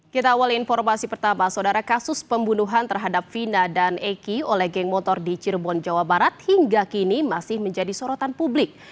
kita awal informasi pertama saudara kasus pembunuhan terhadap vina dan eki oleh geng motor di cirebon jawa barat hingga kini masih menjadi sorotan publik